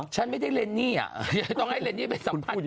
ฉันไม่ได้เล่นหนี่อ่ะก็ให้เล่นนี่เป็นสัมภัณฑ์ก่อนเติร์ศ